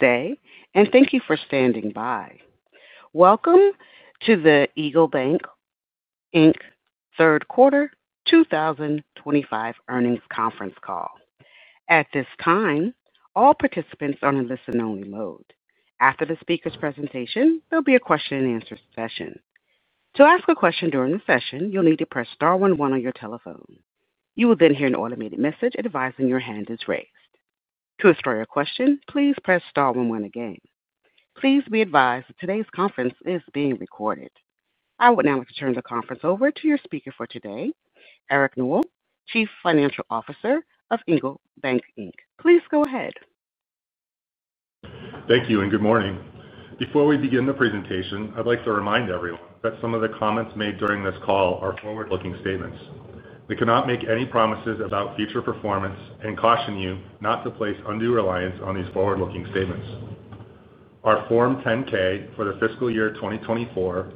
Today, and thank you for standing by. Welcome to the Eagle Bancorp Inc. Third quarter 2025 earnings conference call. At this time, all participants are in a listen-only mode. After the speaker's presentation, there will be a question and answer session. To ask a question during the session, you'll need to press star one one on your telephone. You will then hear an automated message advising your hand is raised. To start your question, please press star one one again. Please be advised that today's conference is being recorded. I would now like to turn the conference over to your speaker for today, Eric Newell, Chief Financial Officer of Eagle Bancorp Inc. Please go ahead. Thank you and good morning. Before we begin the presentation, I'd like to remind everyone that some of the comments made during this call are forward-looking statements. We cannot make any promises about future performance and caution you not to place undue reliance on these forward-looking statements. Our Form 10-K for the fiscal year 2024,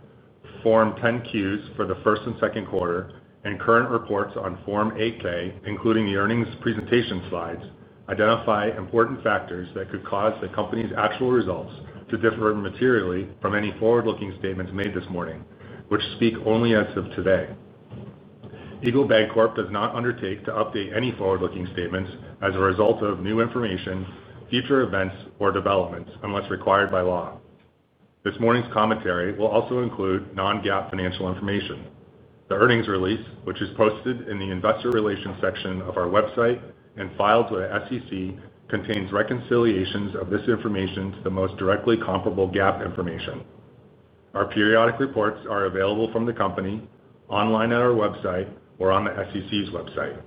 Form 10-Qs for the first and second quarter, and current reports on Form 8-K, including the earnings presentation slides, identify important factors that could cause the company's actual results to differ materially from any forward-looking statements made this morning, which speak only as of today. Eagle Bancorp does not undertake to update any forward-looking statements as a result of new information, future events, or developments unless required by law. This morning's commentary will also include non-GAAP financial information. The earnings release, which is posted in the Investor Relations section of our website and filed with the SEC, contains reconciliations of this information to the most directly comparable GAAP information. Our periodic reports are available from the company, online at our website, or on the SEC's website.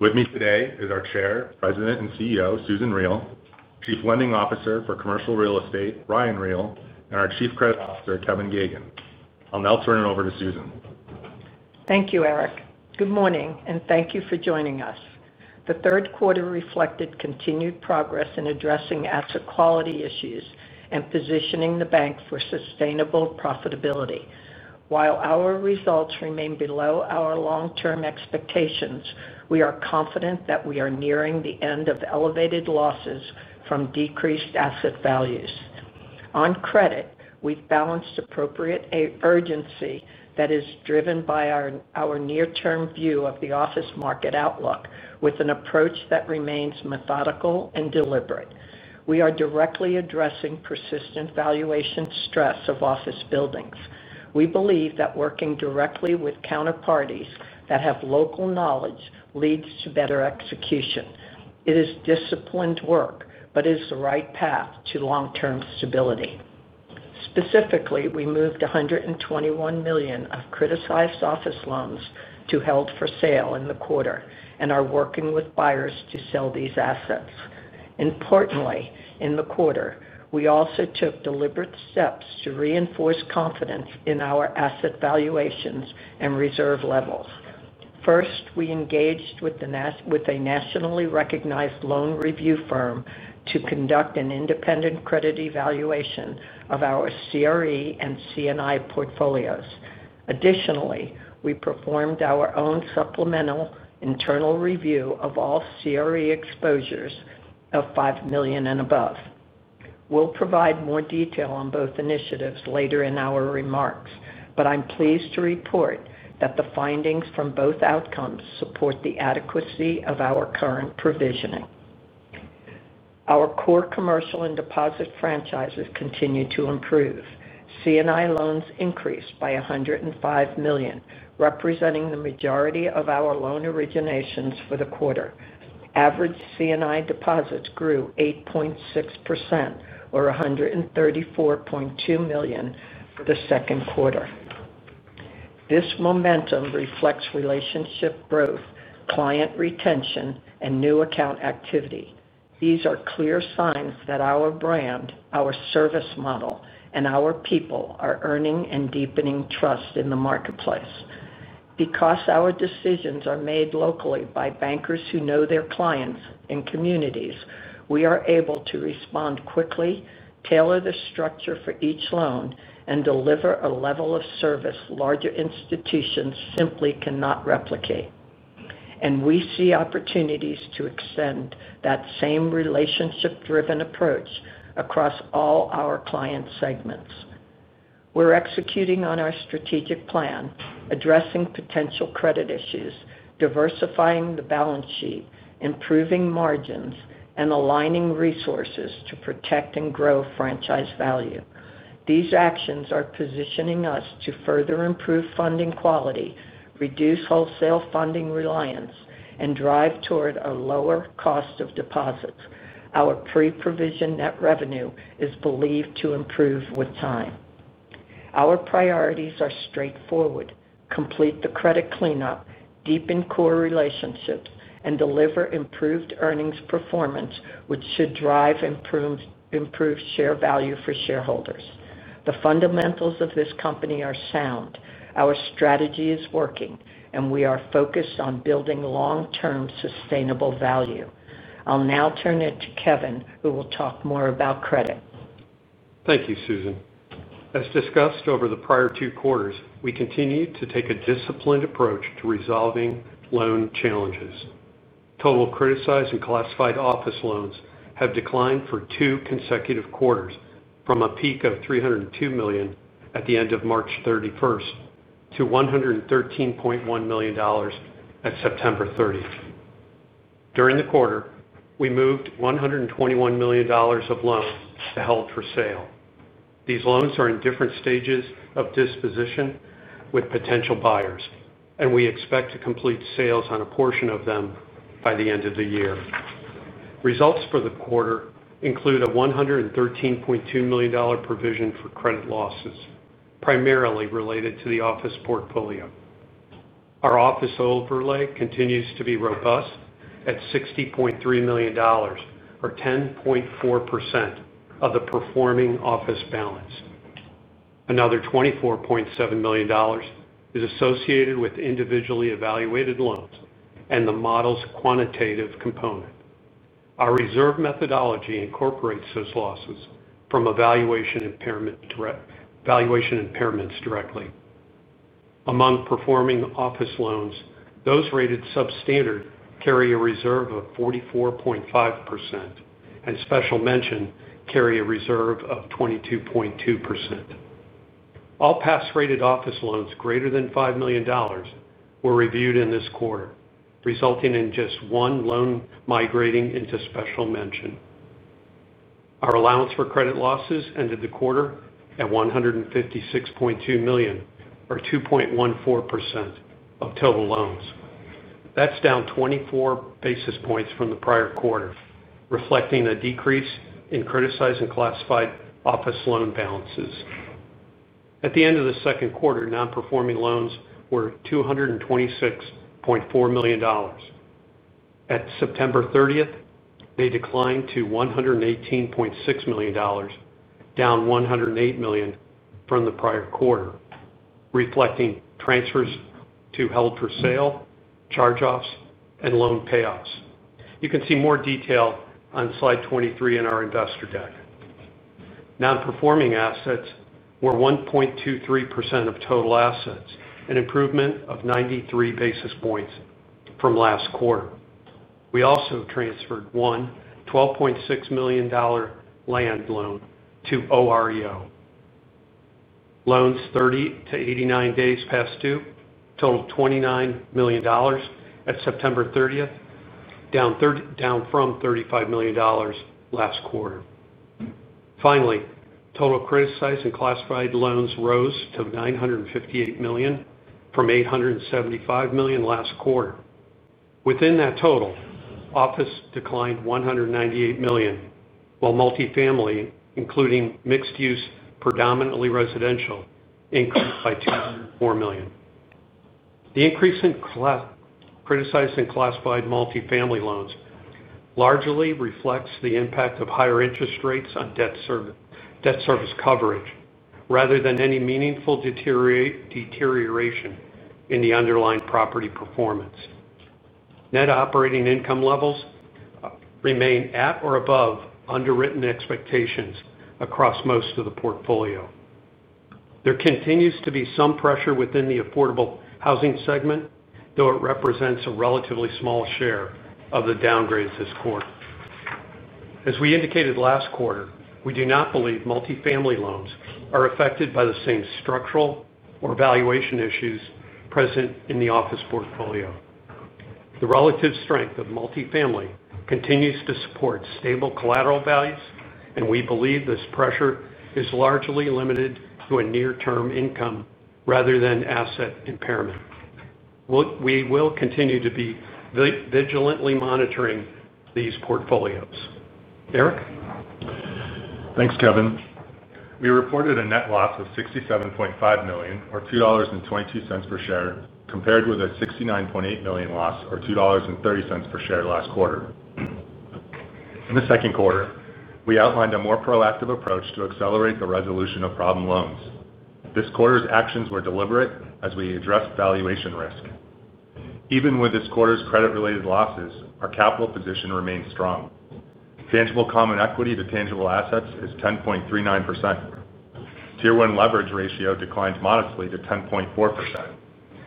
With me today is our Chair, President and CEO, Susan Riel, Chief Lending Officer for Commercial Real Estate, Ryan Riel, and our Chief Credit Officer, Kevin Geoghegan. I'll now turn it over to Susan. Thank you, Eric. Good morning and thank you for joining us. The third quarter reflected continued progress in addressing asset quality issues and positioning the bank for sustainable profitability. While our results remain below our long-term expectations, we are confident that we are nearing the end of elevated losses from decreased asset values. On credit, we've balanced appropriate urgency that is driven by our near-term view of the office market outlook with an approach that remains methodical and deliberate. We are directly addressing persistent valuation stress of office buildings. We believe that working directly with counterparties that have local knowledge leads to better execution. It is disciplined work, but it is the right path to long-term stability. Specifically, we moved $121 million of criticized office loans to Held-for-Sale status in the quarter and are working with buyers to sell these assets. Importantly, in the quarter, we also took deliberate steps to reinforce confidence in our asset valuations and reserve levels. First, we engaged with a nationally recognized loan review firm to conduct an independent credit evaluation of our CRE and commercial and industrial C&I portfolios. Additionally, we performed our own supplemental internal review of all CRE exposures of $5 million and above. We'll provide more detail on both initiatives later in our remarks, but I'm pleased to report that the findings from both outcomes support the adequacy of our current provisioning. Our core commercial and deposit franchises continue to improve. C&I loans increased by $105 million, representing the majority of our loan originations for the quarter. Average C&I deposits grew 8.6% or $134.2 million for the second quarter. This momentum reflects relationship growth, client retention, and new account activity. These are clear signs that our brand, our service model, and our people are earning and deepening trust in the marketplace. Because our decisions are made locally by bankers who know their clients and communities, we are able to respond quickly, tailor the structure for each loan, and deliver a level of service larger institutions simply cannot replicate. We see opportunities to extend that same relationship-driven approach across all our client segments. We're executing on our strategic plan, addressing potential credit issues, diversifying the balance sheet, improving margins, and aligning resources to protect and grow franchise value. These actions are positioning us to further improve funding quality, reduce wholesale funding reliance, and drive toward a lower cost of deposits. Our pre-provision net revenue is believed to improve with time. Our priorities are straightforward: complete the credit cleanup, deepen core relationships, and deliver improved earnings performance, which should drive improved share value for shareholders. The fundamentals of this company are sound. Our strategy is working, and we are focused on building long-term sustainable value. I'll now turn it to Kevin, who will talk more about credit. Thank you, Susan. As discussed over the prior two quarters, we continue to take a disciplined approach to resolving loan challenges. Total criticized and classified office loans have declined for two consecutive quarters, from a peak of $302 million at the end of March 31st to $113.1 million at September 30. During the quarter, we moved $121 million of loans to Held-for-Sale status. These loans are in different stages of disposition with potential buyers, and we expect to complete sales on a portion of them by the end of the year. Results for the quarter include a $113.2 million provision for credit losses, primarily related to the office portfolio. Our office overlay continues to be robust at $60.3 million, or 10.4% of the performing office balance. Another $24.7 million is associated with individually evaluated loans and the model's quantitative component. Our reserve methodology incorporates those losses from evaluation impairments directly. Among performing office loans, those rated substandard carry a reserve of 44.5% and special mention carry a reserve of 22.2%. All pass-rated office loans greater than $5 million were reviewed in this quarter, resulting in just one loan migrating into special mention. Our allowance for credit losses ended the quarter at $156.2 million, or 2.14% of total loans. That's down 24 basis points from the prior quarter, reflecting a decrease in criticized and classified office loan balances. At the end of the second quarter, non-performing loans were $226.4 million. At September 30, they declined to $118.6 million, down $108 million from the prior quarter, reflecting transfers to Held-for-Sale status, charge-offs, and loan payoffs. You can see more detail on slide 23 in our investor deck. Non-performing assets were 1.23% of total assets, an improvement of 93 basis points from last quarter. We also transferred one $12.6 million land loan to OREO. Loans 30-89 days past due totaled $29 million at September 30, down from $35 million last quarter. Finally, total criticized and classified loans rose to $958 million from $875 million last quarter. Within that total, office declined $198 million, while multifamily, including mixed-use, predominantly residential, increased by $204 million. The increase in criticized and classified multifamily loans largely reflects the impact of higher interest rates on debt service coverage rather than any meaningful deterioration in the underlying property performance. Net operating income levels remain at or above underwritten expectations across most of the portfolio. There continues to be some pressure within the affordable housing segment, though it represents a relatively small share of the downgrades this quarter. As we indicated last quarter, we do not believe multifamily loans are affected by the same structural or valuation issues present in the office portfolio. The relative strength of multifamily continues to support stable collateral values, and we believe this pressure is largely limited to near-term income rather than asset impairment. We will continue to be vigilantly monitoring these portfolios. Eric? Thanks, Kevin. We reported a net loss of $67.5 million, or $2.22 per share, compared with a $69.8 million loss, or $2.30 per share last quarter. In the second quarter, we outlined a more proactive approach to accelerate the resolution of problem loans. This quarter's actions were deliberate as we addressed valuation risk. Even with this quarter's credit-related losses, our capital position remains strong. Tangible common equity to tangible assets is 10.39%. Tier 1 leverage ratio declined modestly to 10.4%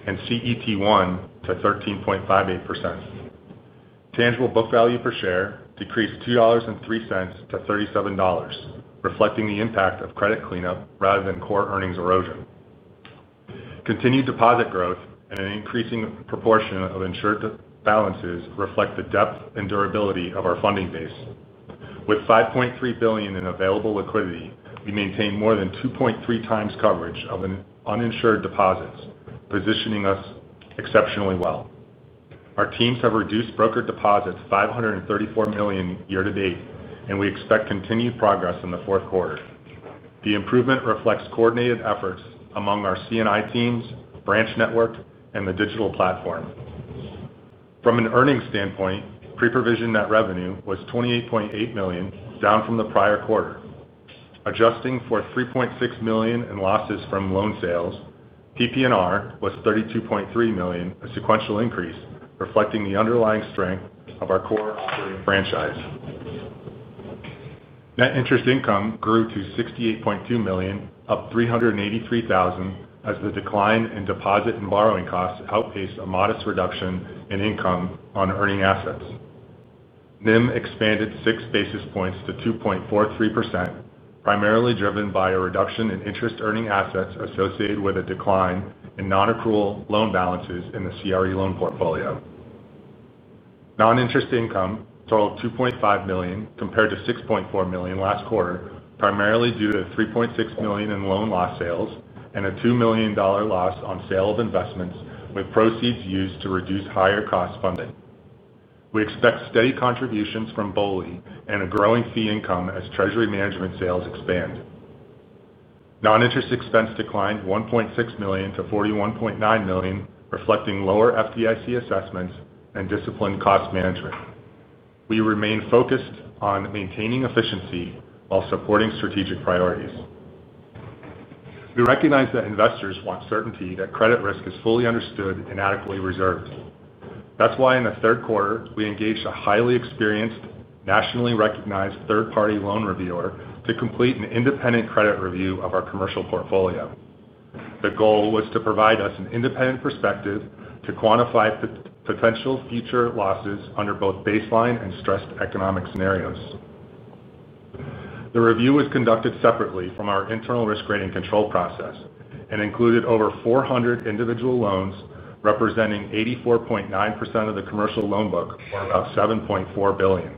and CET1 to 13.58%. Tangible book value per share decreased $2.03 to $37, reflecting the impact of credit cleanup rather than core earnings erosion. Continued deposit growth and an increasing proportion of insured balances reflect the depth and durability of our funding base. With $5.3 billion in available liquidity, we maintain more than 2.3x coverage of uninsured deposits, positioning us exceptionally well. Our teams have reduced broker deposits $534 million year to date, and we expect continued progress in the fourth quarter. The improvement reflects coordinated efforts among our C&I teams, branch network, and the digital platform. From an earnings standpoint, pre-provision net revenue was $28.8 million, down from the prior quarter. Adjusting for $3.6 million in losses from loan sales, PPNR was $32.3 million, a sequential increase, reflecting the underlying strength of our core operating franchise. Net interest income grew to $68.2 million, up $383,000, as the decline in deposit and borrowing costs outpaced a modest reduction in income on earning assets. NIM expanded six basis points to 2.43%, primarily driven by a reduction in interest earning assets associated with a decline in non-accrual loan balances in the CRE loan portfolio. Non-interest income totaled $2.5 million compared to $6.4 million last quarter, primarily due to $3.6 million in loan loss sales and a $2 million loss on sale of investments with proceeds used to reduce higher cost funding. We expect steady contributions from BOLI and a growing fee income as treasury management sales expand. Non-interest expense declined $1.6 million to $41.9 million, reflecting lower FDIC assessments and disciplined cost management. We remain focused on maintaining efficiency while supporting strategic priorities. We recognize that investors want certainty that credit risk is fully understood and adequately reserved. That's why in the third quarter, we engaged a highly experienced, nationally recognized third-party loan review firm to complete an independent credit review of our commercial portfolio. The goal was to provide us an independent perspective to quantify potential future losses under both baseline and stressed economic scenarios. The review was conducted separately from our internal risk rating control process and included over 400 individual loans representing 84.9% of the commercial loan book, or about $7.4 billion.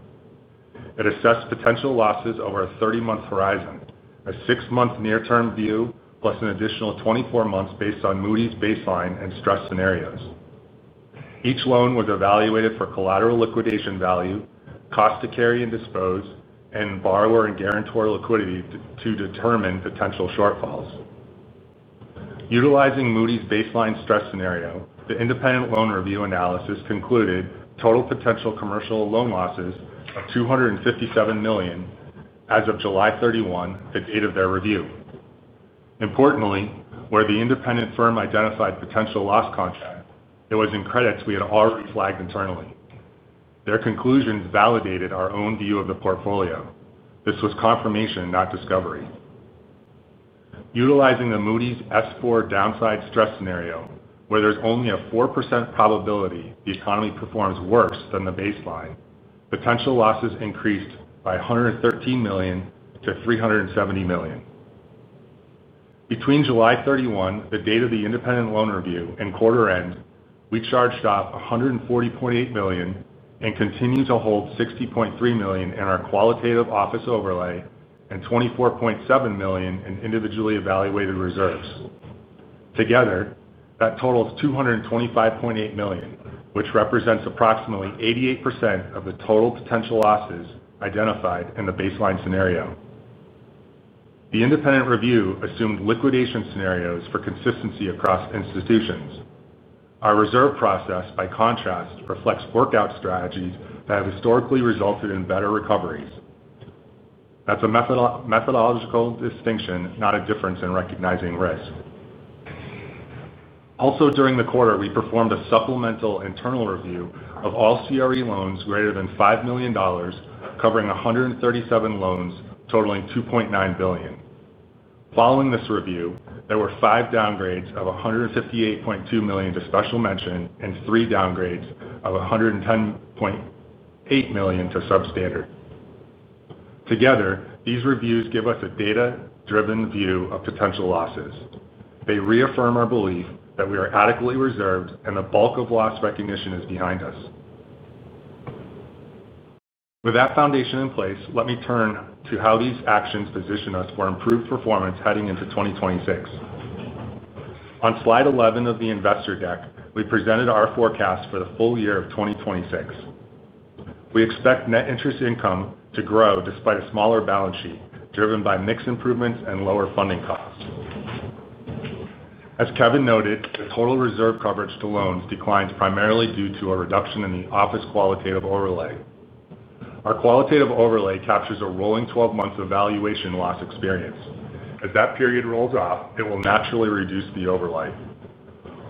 It assessed potential losses over a 30-month horizon, a six-month near-term view, plus an additional 24 months based on Moody’s baseline and stress scenarios. Each loan was evaluated for collateral liquidation value, cost to carry and dispose, and borrower and guarantor liquidity to determine potential shortfalls. Utilizing Moody’s baseline stress scenario, the independent loan review analysis concluded total potential commercial loan losses of $257 million as of July 31, the date of their review. Importantly, where the independent firm identified potential loss contracts, it was in credits we had already flagged internally. Their conclusions validated our own view of the portfolio. This was confirmation, not discovery. Utilizing the Moody’s S4 downside stress scenario, where there's only a 4% probability the economy performs worse than the baseline, potential losses increased by $113 million to $370 million. Between July 31, the date of the independent loan review, and quarter end, we charged off $140.8 million and continue to hold $60.3 million in our Qualitative Office Overlay and $24.7 million in individually evaluated reserves. Together, that totals $225.8 million, which represents approximately 88% of the total potential losses identified in the baseline scenario. The independent review assumed liquidation scenarios for consistency across institutions. Our reserve process, by contrast, reflects workout strategies that have historically resulted in better recoveries. That's a methodological distinction, not a difference in recognizing risk. Also, during the quarter, we performed a supplemental internal review of all CRE loans greater than $5 million, covering 137 loans totaling $2.9 billion. Following this review, there were five downgrades of $158.2 million to special mention and three downgrades of $110.8 million to substandard. Together, these reviews give us a data-driven view of potential losses. They reaffirm our belief that we are adequately reserved and the bulk of loss recognition is behind us. With that foundation in place, let me turn to how these actions position us for improved performance heading into 2026. On slide 11 of the investor deck, we presented our forecast for the full year of 2026. We expect net interest income to grow despite a smaller balance sheet, driven by mixed improvements and lower funding costs. As Kevin noted, the total reserve coverage to loans declines primarily due to a reduction in the office qualitative overlay. Our qualitative overlay captures a rolling 12 months of valuation loss experience. As that period rolls off, it will naturally reduce the overlay.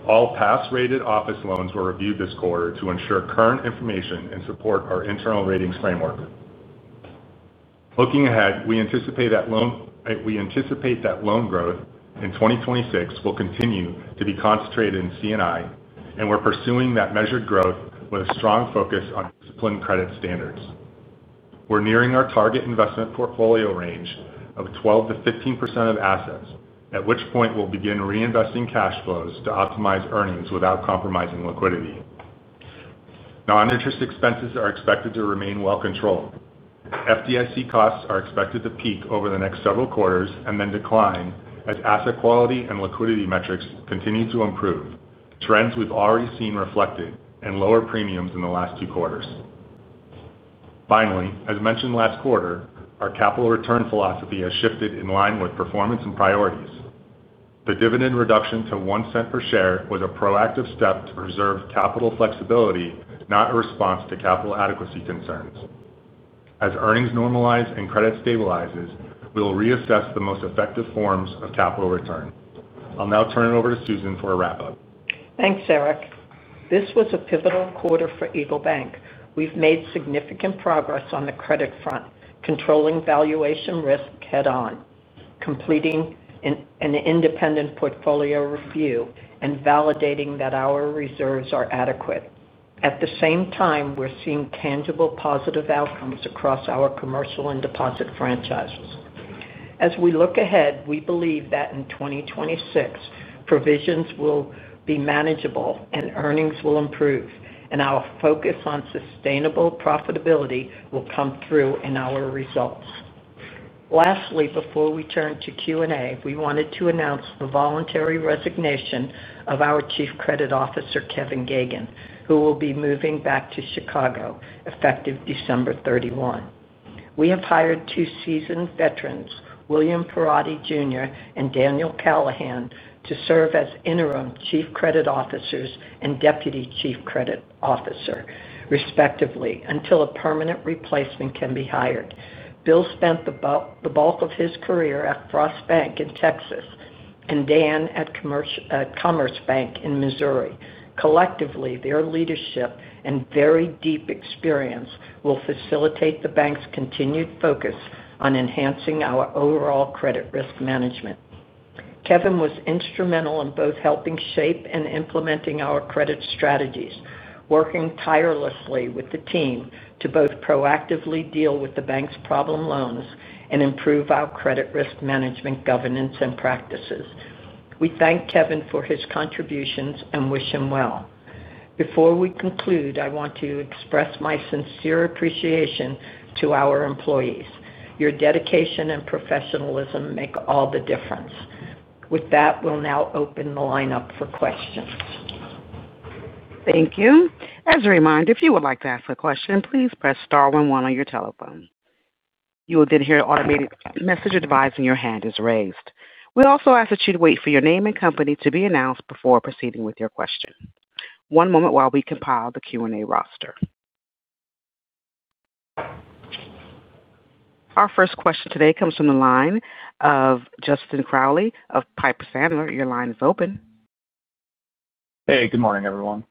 All pass-rated office loans were reviewed this quarter to ensure current information and support our internal ratings framework. Looking ahead, we anticipate that loan growth in 2026 will continue to be concentrated in C&I, and we're pursuing that measured growth with a strong focus on disciplined credit standards. We're nearing our target investment portfolio range of 12%-15% of assets, at which point we'll begin reinvesting cash flows to optimize earnings without compromising liquidity. Non-interest expenses are expected to remain well controlled. FDIC costs are expected to peak over the next several quarters and then decline as asset quality and liquidity metrics continue to improve, trends we've already seen reflected in lower premiums in the last two quarters. Finally, as mentioned last quarter, our capital return philosophy has shifted in line with performance and priorities. The dividend reduction to $0.01 per share was a proactive step to preserve capital flexibility, not a response to capital adequacy concerns. As earnings normalize and credit stabilizes, we'll reassess the most effective forms of capital return. I'll now turn it over to Susan for a wrap-up. Thanks, Eric. This was a pivotal quarter for EagleBank. We've made significant progress on the credit front, controlling valuation risk head-on, completing an independent portfolio review, and validating that our reserves are adequate. At the same time, we're seeing tangible positive outcomes across our commercial and deposit franchises. As we look ahead, we believe that in 2026, provisions will be manageable and earnings will improve, and our focus on sustainable profitability will come through in our results. Lastly, before we turn to Q&A, we wanted to announce the voluntary resignation of our Chief Credit Officer, Kevin Geoghegan, who will be moving back to Chicago effective December 31. We have hired two seasoned veterans, William Parotti, Jr. and Daniel Callahan, to serve as interim Chief Credit Officer and Deputy Chief Credit Officer, respectively, until a permanent replacement can be hired. Bill spent the bulk of his career at Frost Bank in Texas and Dan at Commerce Bank in Missouri. Collectively, their leadership and very deep experience will facilitate the bank's continued focus on enhancing our overall credit risk management. Kevin was instrumental in both helping shape and implementing our credit strategies, working tirelessly with the team to both proactively deal with the bank's problem loans and improve our credit risk management governance and practices. We thank Kevin for his contributions and wish him well. Before we conclude, I want to express my sincere appreciation to our employees. Your dedication and professionalism make all the difference. With that, we'll now open the line up for questions. Thank you. As a reminder, if you would like to ask a question, please press star one one on your telephone. You will then hear an automated message advising your hand is raised. We also ask that you wait for your name and company to be announced before proceeding with your question. One moment while we compile the Q&A roster. Our first question today comes from the line of Justin Crowley of Piper Sandler. Your line is open. Hey, good morning, everyone.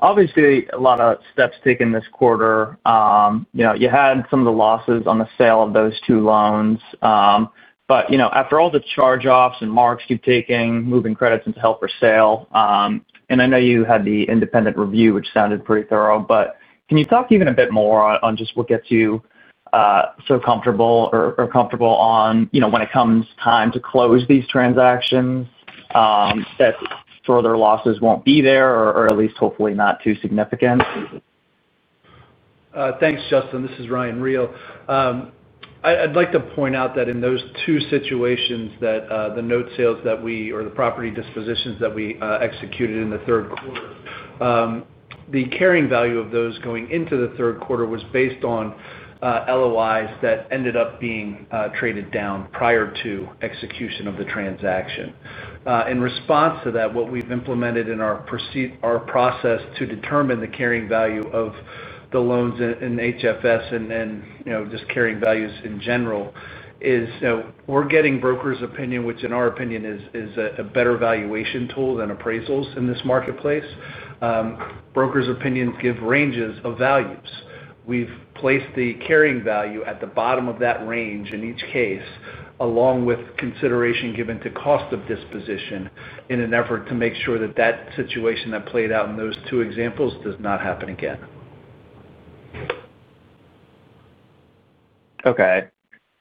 Obviously, a lot of steps taken this quarter. You had some of the losses on the sale of those two loans, but after all the charge-offs and marks you've taken, moving credits into Held-for-Sale, and I know you had the independent review, which sounded pretty thorough, can you talk even a bit more on just what gets you so comfortable or comfortable when it comes time to close these transactions, that further losses won't be there or at least hopefully not too significant? Thanks, Justin. This is Ryan Riel. I'd like to point out that in those two situations, the note sales or the property dispositions that we executed in the third quarter, the carrying value of those going into the third quarter was based on LOIs that ended up being traded down prior to execution of the transaction. In response to that, what we've implemented in our process to determine the carrying value of the loans in HFS and, you know, just carrying values in general is, you know, we're getting Brokers' Opinion, which in our opinion is a better valuation tool than appraisals in this marketplace. Brokers' Opinion give ranges of values. We've placed the carrying value at the bottom of that range in each case, along with consideration given to cost of disposition in an effort to make sure that situation that played out in those two examples does not happen again. Okay.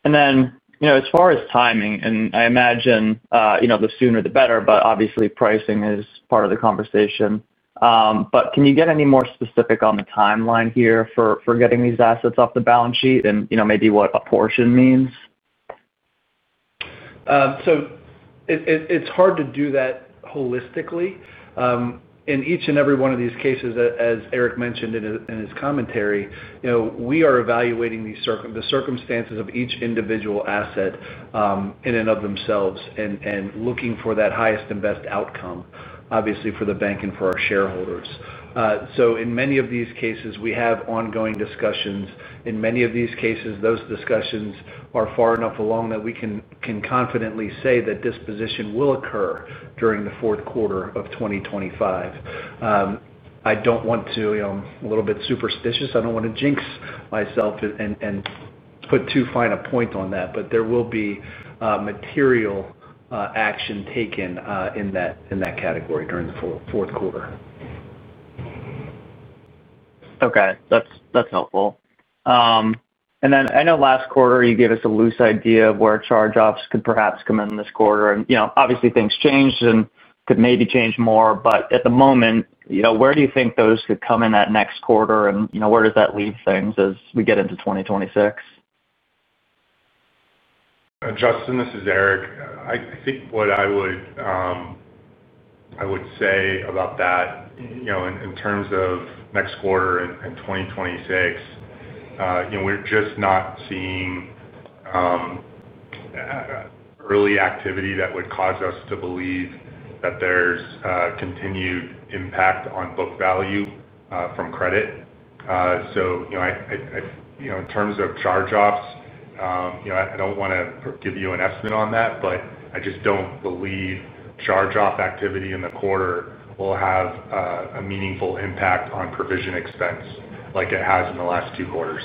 As far as timing, I imagine the sooner the better, but obviously, pricing is part of the conversation. Can you get any more specific on the timeline here for getting these assets off the balance sheet and maybe what a portion means? It's hard to do that holistically. In each and every one of these cases, as Eric mentioned in his commentary, we are evaluating the circumstances of each individual asset in and of themselves and looking for that highest and best outcome, obviously, for the bank and for our shareholders. In many of these cases, we have ongoing discussions. In many of these cases, those discussions are far enough along that we can confidently say that disposition will occur during the fourth quarter of 2025. I don't want to, you know, I'm a little bit superstitious. I don't want to jinx myself and put too fine a point on that, but there will be material action taken in that category during the fourth quarter. Okay, that's helpful. I know last quarter you gave us a loose idea of where charge-offs could perhaps come in this quarter. Obviously, things changed and could maybe change more, but at the moment, where do you think those could come in that next quarter, and where does that leave things as we get into 2026? Justin, this is Eric. I think what I would say about that, in terms of next quarter and 2026, we're just not seeing early activity that would cause us to believe that there's continued impact on book value from credit. In terms of charge-offs, I don't want to give you an estimate on that, but I just don't believe charge-off activity in the quarter will have a meaningful impact on provision expense like it has in the last two quarters.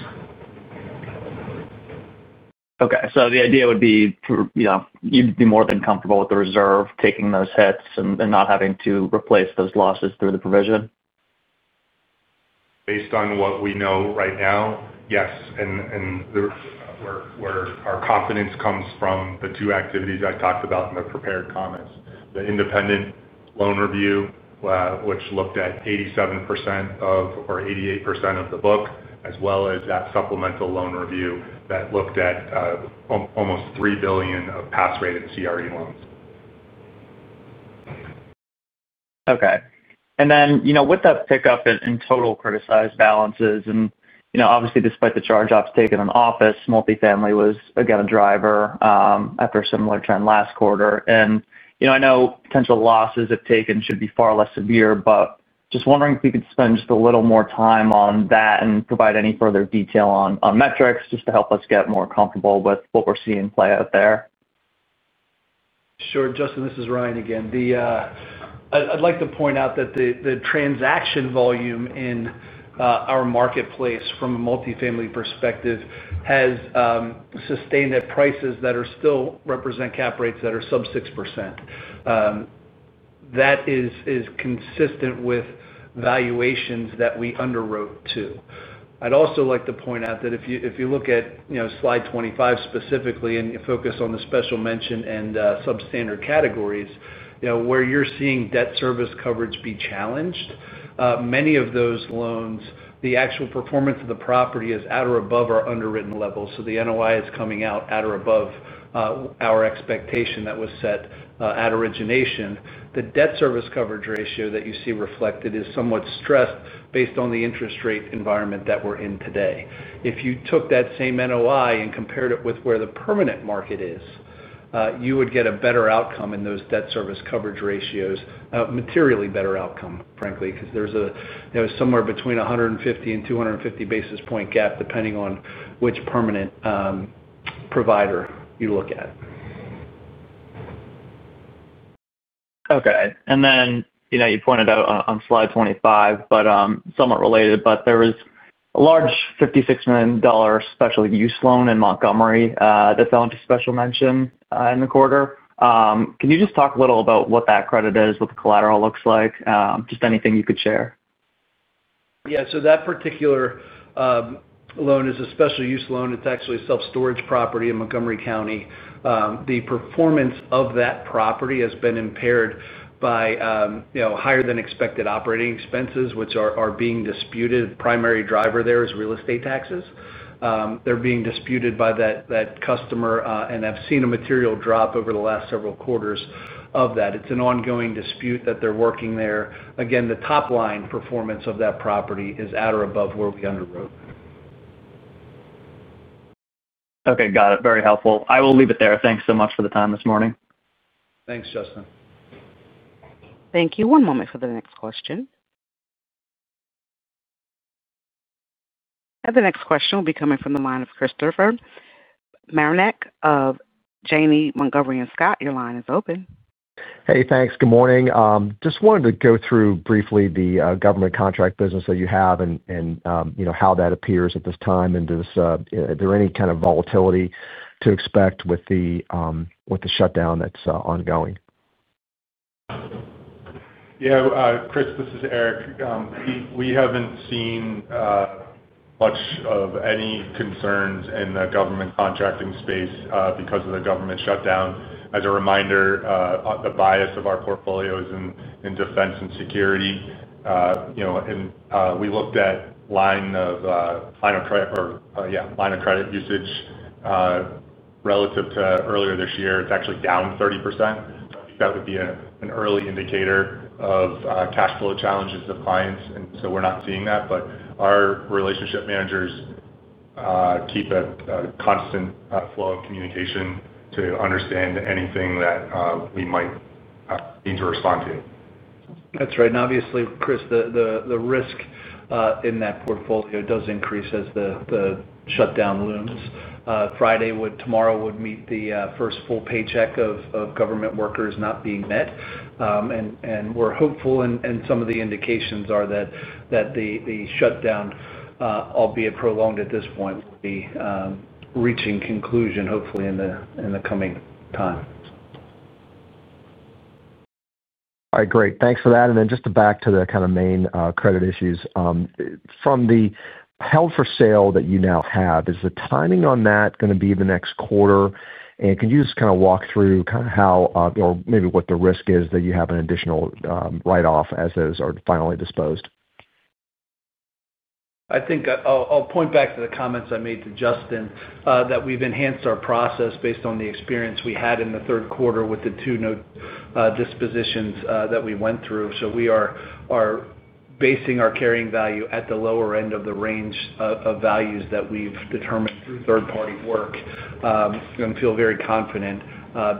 The idea would be, you'd be more than comfortable with the reserve taking those hits and not having to replace those losses through the provision? Based on what we know right now, yes. Where our confidence comes from is the two activities I talked about in the prepared comments: the independent loan review, which looked at 87% or 88% of the book, as well as that supplemental internal review that looked at almost $3 billion of pass-rated CRE loans. Okay. With that pickup in total criticized balances, obviously, despite the charge-offs taken on office, multifamily was again a driver after a similar trend last quarter. I know potential losses if taken should be far less severe, but just wondering if you could spend just a little more time on that and provide any further detail on metrics just to help us get more comfortable with what we're seeing play out there. Sure. Justin, this is Ryan again. I'd like to point out that the transaction volume in our marketplace from a multifamily perspective has sustained at prices that still represent cap rates that are sub 6%. That is consistent with valuations that we underwrote to. I'd also like to point out that if you look at, you know, slide 25 specifically and you focus on the special mention and substandard categories, where you're seeing debt service coverage be challenged, many of those loans, the actual performance of the property is at or above our underwritten level. So the NOI is coming out at or above our expectation that was set at origination. The Debt Service Coverage Ratio that you see reflected is somewhat stressed based on the interest rate environment that we're in today. If you took that same NOI and compared it with where the permanent market is, you would get a better outcome in those Debt Service Coverage Ratios, a materially better outcome, frankly, because there's a, you know, somewhere between 150 and 250 basis point gap depending on which permanent provider you look at. Okay. You pointed out on slide 25, but, somewhat related, there was a large $56 million special use loan in Montgomery that fell into special mention in the quarter. Can you just talk a little about what that credit is, what the collateral looks like, just anything you could share? Yeah. That particular loan is a special use loan. It's actually a self-storage property in Montgomery County. The performance of that property has been impaired by, you know, higher than expected operating expenses, which are being disputed. The primary driver there is real estate taxes. They're being disputed by that customer, and I've seen a material drop over the last several quarters of that. It's an ongoing dispute that they're working there. Again, the top line performance of that property is at or above where we underwrote. Okay. Got it. Very helpful. I will leave it there. Thanks so much for the time this morning. Thanks, Justin. Thank you. One moment for the next question. The next question will be coming from the line of Christopher Marinac of Janney Montgomery Scott. Your line is open. Hey, thanks. Good morning. I just wanted to go through briefly the government contract business that you have and, you know, how that appears at this time. Is there any kind of volatility to expect with the shutdown that's ongoing? Yeah. Chris, this is Eric. We haven't seen much of any concerns in the government contracting space because of the government shutdown. As a reminder, the bias of our portfolios is in defense and security, you know, and we looked at line of credit usage relative to earlier this year. It's actually down 30%. That would be an early indicator of cash flow challenges of clients. We're not seeing that, but our relationship managers keep a constant flow of communication to understand anything that we might need to respond to. That's right. Obviously, Chris, the risk in that portfolio does increase as the shutdown looms. Tomorrow would meet the first full paycheck of government workers not being met, and we're hopeful, and some of the indications are that the shutdown, albeit prolonged at this point, will be reaching conclusion hopefully in the coming time. All right. Great, thanks for that. Just to go back to the main credit issues from the Held-for-Sale that you now have, is the timing on that going to be the next quarter? Can you just walk through how, or maybe what the risk is that you have an additional write-off as those are finally disposed? I think I'll point back to the comments I made to Justin, that we've enhanced our process based on the experience we had in the third quarter with the two note dispositions that we went through. We are basing our carrying value at the lower end of the range of values that we've determined through third-party work. I'm going to feel very confident,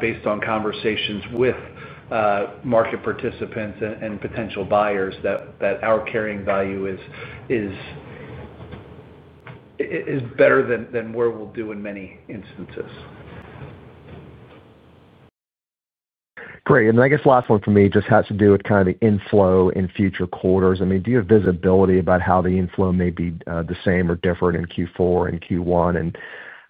based on conversations with market participants and potential buyers, that our carrying value is better than where we'll do in many instances. Great. I guess the last one for me just has to do with kind of the inflow in future quarters. Do you have visibility about how the inflow may be, the same or different in Q4 and Q1?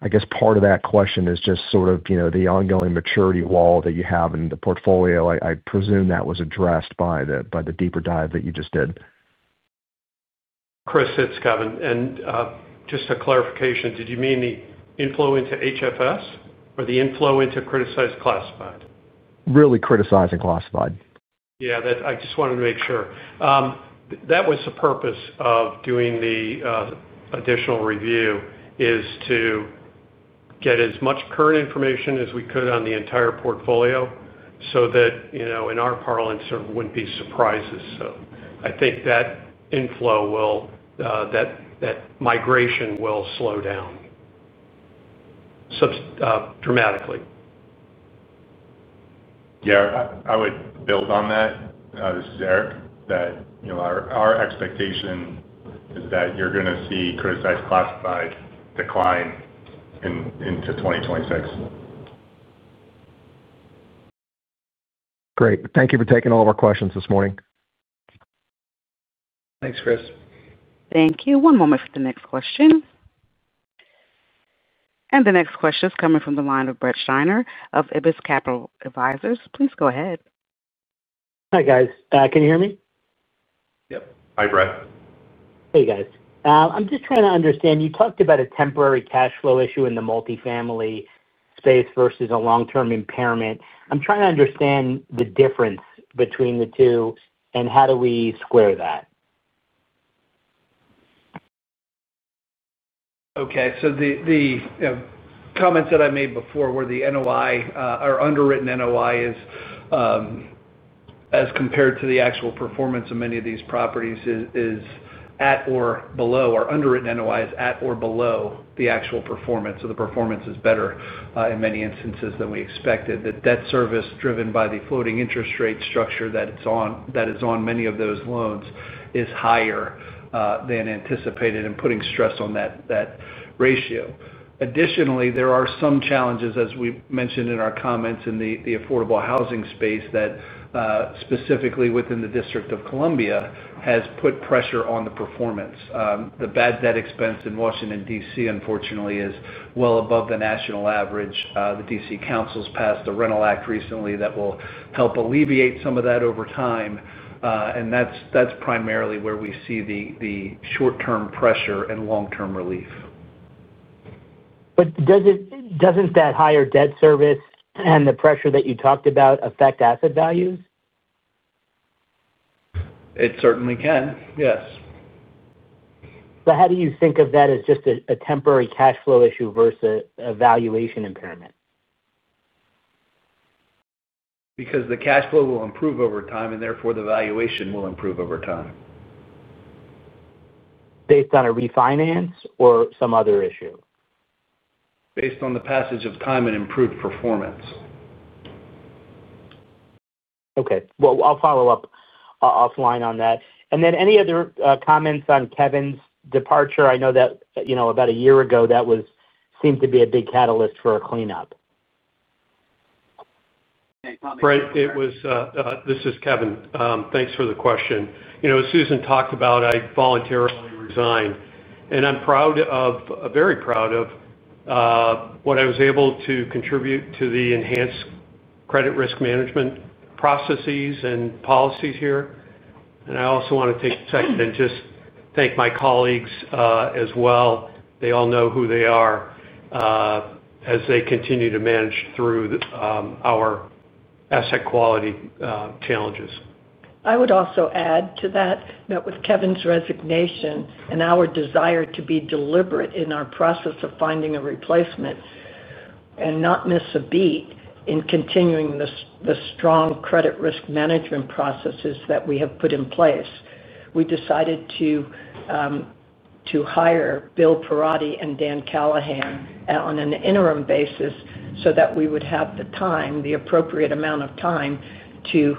I guess part of that question is just sort of, you know, the ongoing maturity wall that you have in the portfolio. I presume that was addressed by the deeper dive that you just did. Chris, this is Kevin, just a clarification, did you mean the inflow into Held-for-Sale or the inflow into criticized classified? Really criticized and classified. Yeah, I just wanted to make sure that was the purpose of doing the additional review, to get as much current information as we could on the entire portfolio so that, you know, in our parlance there wouldn't be surprises. I think that inflow, that migration will slow down dramatically. Yeah. I would build on that. This is Eric, that, you know, our expectation is that you're going to see criticized classified decline into 2026. Great. Thank you for taking all of our questions this morning. Thanks, Chris. Thank you. One moment for the next question. The next question is coming from the line of Brett Steiner of IBIS Capital Advisors. Please go ahead. Hi, guys. Can you hear me? Yep. Hi, Brett. Hey, guys. I'm just trying to understand. You talked about a temporary cash flow issue in the multifamily space versus a long-term impairment. I'm trying to understand the difference between the two, and how do we square that? Okay. The comments that I made before were the NOI, or underwritten NOI, as compared to the actual performance of many of these properties, is at or below. Our underwritten NOI is at or below the actual performance. The performance is better, in many instances, than we expected. The debt service driven by the floating interest rate structure that is on many of those loans is higher than anticipated and putting stress on that ratio. Additionally, there are some challenges, as we mentioned in our comments, in the affordable housing space that, specifically within the District of Columbia, has put pressure on the performance. The bad debt expense in Washington, D.C., unfortunately, is well above the national average. The D.C. Council's passed a rental act recently that will help alleviate some of that over time, and that's primarily where we see the short-term pressure and long-term relief. Doesn't that higher debt service and the pressure that you talked about affect asset values? It certainly can, yes. How do you think of that as just a temporary cash flow issue versus a valuation impairment? Because the cash flow will improve over time, and therefore the valuation will improve over time. Based on a refinance or some other issue? Based on the passage of time and improved performance. Okay. I'll follow up offline on that. Any other comments on Kevin's departure? I know that, about a year ago, that seemed to be a big catalyst for a cleanup. Brett, this is Kevin. Thanks for the question. As Susan talked about, I voluntarily resigned. I'm proud of, very proud of, what I was able to contribute to the enhanced credit risk management processes and policies here. I also want to take a second and just thank my colleagues, as well. They all know who they are, as they continue to manage through our asset quality challenges. I would also add to that that with Kevin resignation and our desire to be deliberate in our process of finding a replacement and not miss a beat in continuing the strong credit risk management processes that we have put in place, we decided to hire William Parotti, Jr. and Daniel Callahan on an interim basis so that we would have the time, the appropriate amount of time to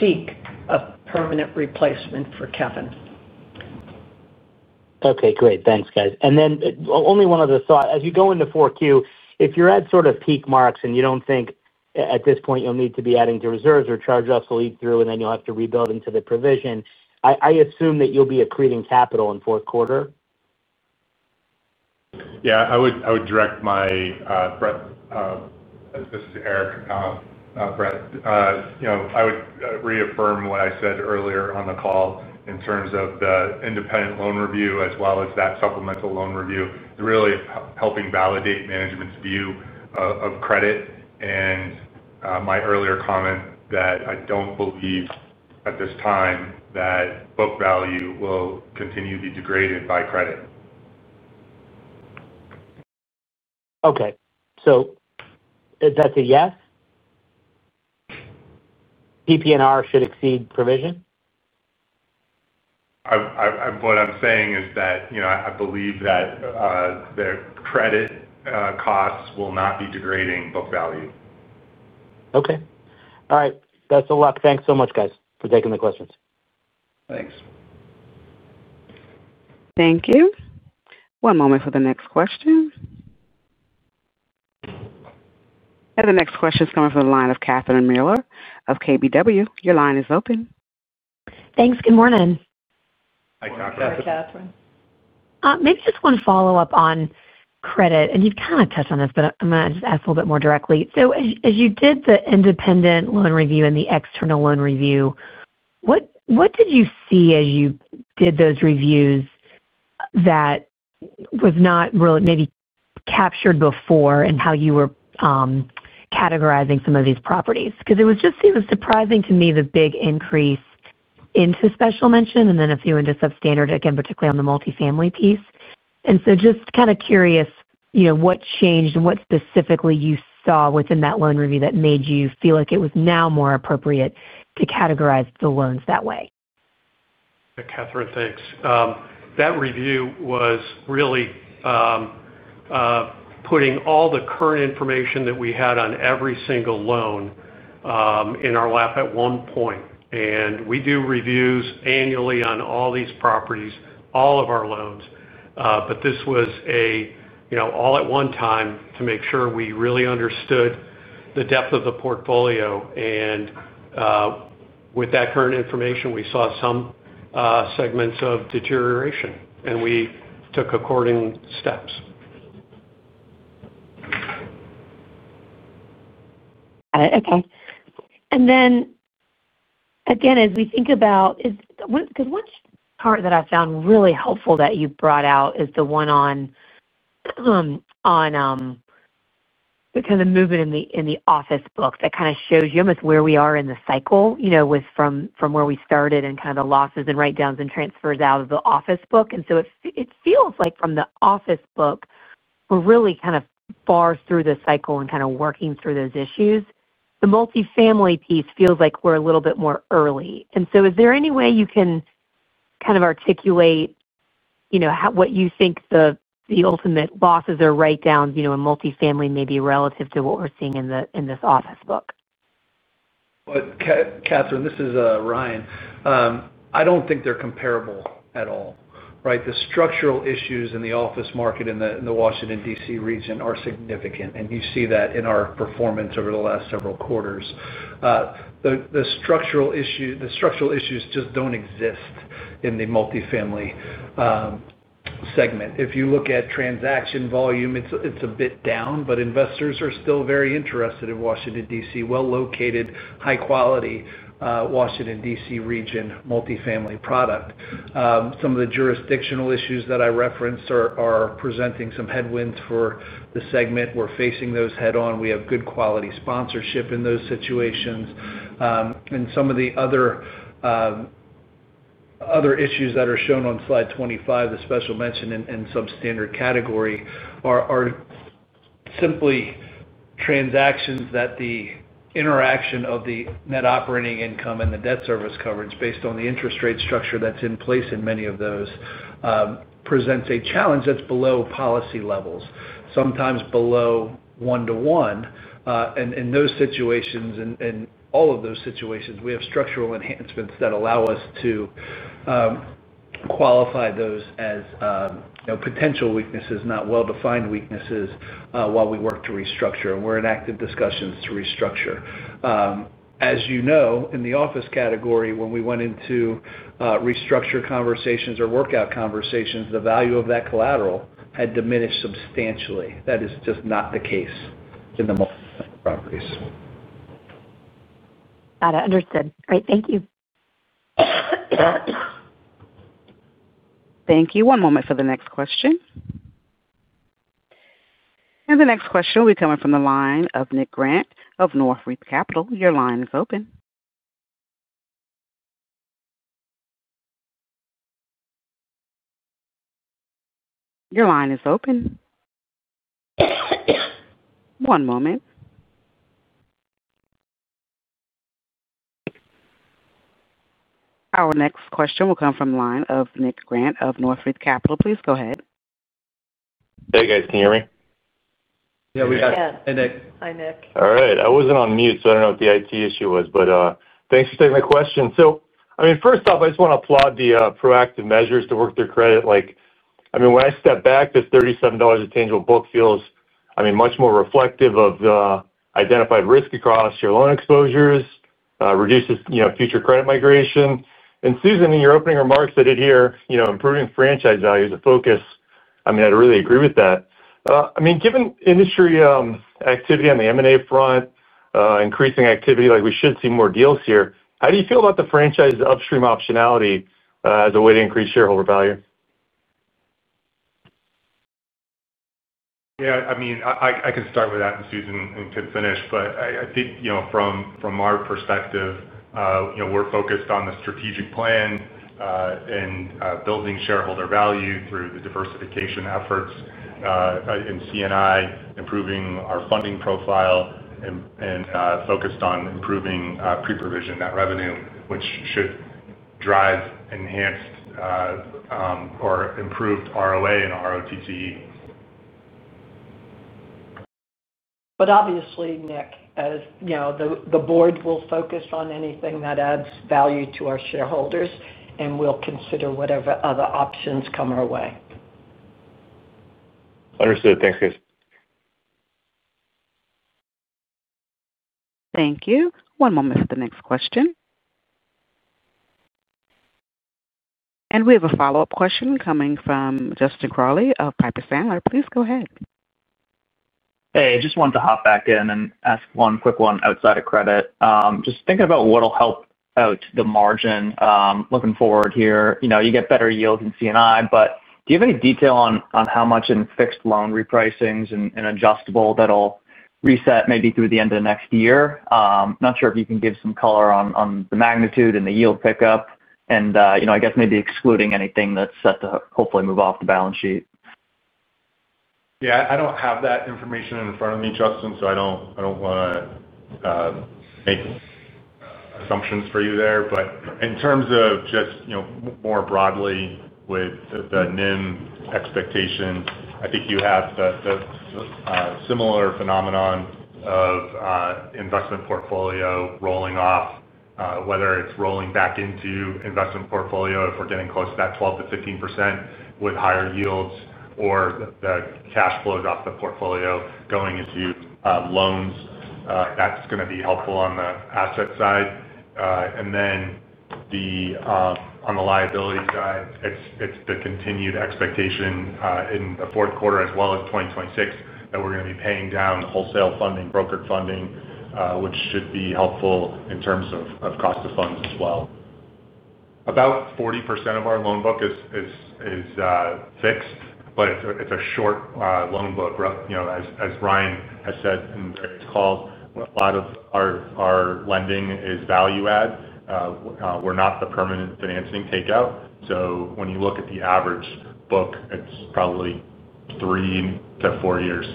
seek a permanent replacement for Kevin. Okay. Great. Thanks, guys. Only one other thought. As you go into 4Q, if you're at sort of peak marks and you don't think at this point you'll need to be adding to reserves or charge-offs will eat through and then you'll have to rebuild into the provision, I assume that you'll be accreting capital in the fourth quarter? Yeah. I would direct my, Brett. This is Eric, Brett. I would reaffirm what I said earlier on the call in terms of the independent loan review as well as that supplemental loan review. It's really helping validate management's view of credit, and my earlier comment that I don't believe at this time that book value will continue to be degraded by credit. Okay. That's a yes? PPNR should exceed provision? What I'm saying is that I believe that the credit costs will not be degrading book value. Okay. All right. Best of luck. Thanks so much, guys, for taking the questions. Thanks. Thank you. One moment for the next question. The next question is coming from the line of Catherine Mealor of KBW. Your line is open. Thanks. Good morning. Hi, Catherine. Maybe just one follow-up on credit. You've kind of touched on this, but I'm going to just ask a little bit more directly. As you did the independent loan review and the external loan review, what did you see as you did those reviews that was not really maybe captured before in how you were categorizing some of these properties? It just seemed surprising to me, the big increase into special mention and then a few into substandard, particularly on the multifamily piece. I'm curious, you know, what changed and what specifically you saw within that loan review that made you feel like it was now more appropriate to categorize the loans that way? Catherine, thanks. That review was really putting all the current information that we had on every single loan in our lap at one point. We do reviews annually on all these properties, all of our loans, but this was a, you know, all at one time to make sure we really understood the depth of the portfolio. With that current information, we saw some segments of deterioration, and we took according steps. Got it. Okay. As we think about it, one part that I found really helpful that you brought out is the one on the movement in the office books that kind of shows you almost where we are in the cycle, from where we started and the losses and write-downs and transfers out of the office book. It feels like from the office book, we're really kind of far through the cycle and working through those issues. The multifamily piece feels like we're a little bit more early. Is there any way you can articulate what you think the ultimate losses or write-downs in multifamily may be relative to what we're seeing in this office book? Catherine, this is Ryan. I don't think they're comparable at all, right? The structural issues in the office market in the Washington, D.C. region are significant, and you see that in our performance over the last several quarters. The structural issues just don't exist in the multifamily segment. If you look at transaction volume, it's a bit down, but investors are still very interested in Washington, D.C., well-located, high-quality, Washington, D.C. region multifamily product. Some of the jurisdictional issues that I referenced are presenting some headwinds for the segment. We're facing those head-on. We have good quality sponsorship in those situations, and some of the other issues that are shown on slide 25, the special mention and substandard category, are simply transactions that the interaction of the net operating income and the debt service coverage based on the interest rate structure that's in place in many of those, presents a challenge that's below policy levels, sometimes below one-to-one. In those situations, and in all of those situations, we have structural enhancements that allow us to qualify those as, you know, potential weaknesses, not well-defined weaknesses, while we work to restructure. We're in active discussions to restructure. As you know, in the office category, when we went into restructure conversations or workout conversations, the value of that collateral had diminished substantially. That is just not the case in the multifamily properties. Got it. Understood. Great. Thank you. Thank you. One moment for the next question. The next question will be coming from the line of Nick Grant of North Reef Capital. Your line is open. One moment. Our next question will come from the line of Nick Grant of North Reef Capital. Please go ahead. Hey, guys. Can you hear me? Yeah, we got you. Hey, Nick. Hi, Nick. All right. I wasn't on mute, so I don't know what the IT issue was, but thanks for taking the question. First off, I just want to applaud the proactive measures to work through credit. When I step back, this $37 tangible book feels much more reflective of the identified risk across your loan exposures, reduces future credit migration. Susan, in your opening remarks, I did hear improving franchise value is a focus. I'd really agree with that. Given industry activity on the M&A front, increasing activity, like we should see more deals here, how do you feel about the franchise upstream optionality as a way to increase shareholder value? Yeah. I can start with that, and Susan can finish. I think from our perspective, we're focused on the strategic plan and building shareholder value through the diversification efforts in C&I, improving our funding profile, and focused on improving pre-provision net revenue, which should drive enhanced or improved ROA and ROTC. As you know, Nick, the board will focus on anything that adds value to our shareholders and will consider whatever other options come our way. Understood. Thanks, guys. Thank you. One moment for the next question. We have a follow-up question coming from Justin Crowley of Piper Sandler. Please go ahead. Hey, I just wanted to hop back in and ask one quick one outside of credit. Just thinking about what'll help out the margin, looking forward here. You know, you get better yields in C&I, but do you have any detail on how much in fixed loan repricings and adjustable that'll reset maybe through the end of the next year? Not sure if you can give some color on the magnitude and the yield pickup and, you know, I guess maybe excluding anything that's set to hopefully move off the balance sheet. Yeah. I don't have that information in front of me, Justin, so I don't want to make assumptions for you there. In terms of just, you know, more broadly with the NIM expectation, I think you have the similar phenomenon of investment portfolio rolling off, whether it's rolling back into investment portfolio if we're getting close to that 12%-15% with higher yields or the cash flows off the portfolio going into loans. That's going to be helpful on the asset side. On the liability side, it's the continued expectation in the fourth quarter as well as 2026 that we're going to be paying down the wholesale funding, brokered funding, which should be helpful in terms of cost of funds as well. About 40% of our loan book is fixed, but it's a short loan book. You know, as Ryan has said in various calls, a lot of our lending is value-add. We're not the permanent financing takeout. When you look at the average book, it's probably three to four years.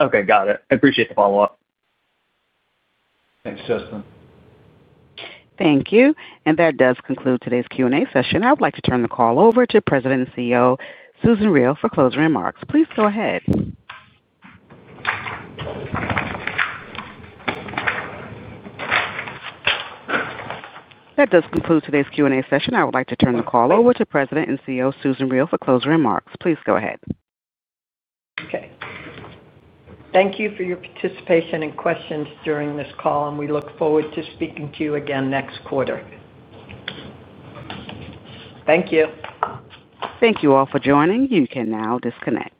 Okay, got it. I appreciate the follow-up. Thanks, Justin. Thank you. That does conclude today's Q&A session. I would like to turn the call over to President and CEO Susan Riel for closing remarks. Please go ahead. Okay. Thank you for your participation and questions during this call, and we look forward to speaking to you again next quarter. Thank you. Thank you all for joining. You can now disconnect.